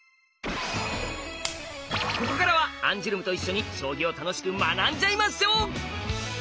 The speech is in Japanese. ここからはアンジュルムと一緒に将棋を楽しく学んじゃいましょう！